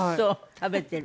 食べてる。